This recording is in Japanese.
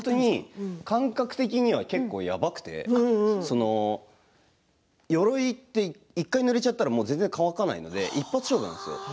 感覚的には本当にやばくてよろいって１回ぬれたら全然乾かないので一発勝負なんです。